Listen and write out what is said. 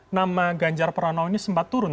nama ganjar pranowo ini sempat turun